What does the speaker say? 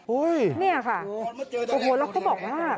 อุ๊ยนี่ค่ะโอ้โฮแล้วเขาบอกว่า